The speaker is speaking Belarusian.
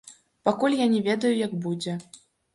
Пакуль я не ведаю, як будзе.